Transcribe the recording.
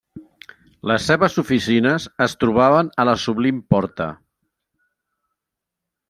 Les seves oficines es trobaven a la Sublim Porta.